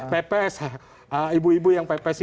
pps ibu ibu yang pps itu